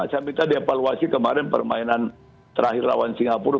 saya minta dia evaluasi kemarin permainan terakhir lawan singapura